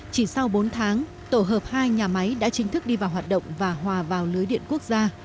chỉ sau bốn tháng tổ hợp hai nhà máy đã chính thức đi vào hoạt động và hòa vào lưới điện quốc gia